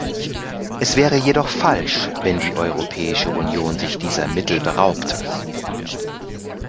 Es wäre jedoch falsch, wenn die Europäische Union sich dieser Mittel beraubte.